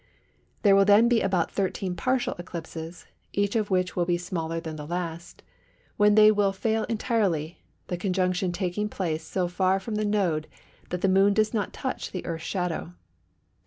There will be then about 13 partial eclipses, each of which will be smaller than the last, when they will fail entirely, the conjunction taking place so far from the node that the Moon does not touch the Earth's shadow.